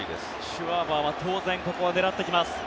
シュワバーは当然、ここは狙ってきます。